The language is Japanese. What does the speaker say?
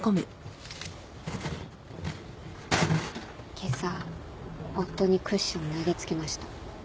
けさ夫にクッション投げ付けました。